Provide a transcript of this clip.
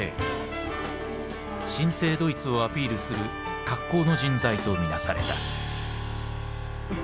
新生ドイツをアピールする格好の人材と見なされた。